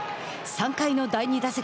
３回の第２打席。